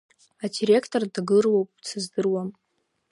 Адиректор дагыруоуп, дсыздыруам…